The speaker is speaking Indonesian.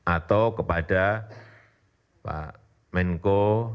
atau kepada pak menko